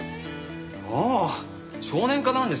ああ少年課なんですね。